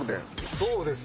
そうですよ。